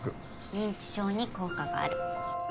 認知症に効果がある。